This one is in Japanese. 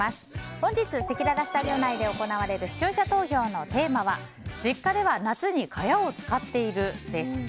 本日、せきららスタジオ内で行われる視聴者投票のテーマは実家では夏に蚊帳を使っているです。